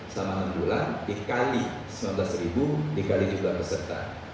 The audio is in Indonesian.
sama enam bulan dikali rp sembilan belas dikali jumlah peserta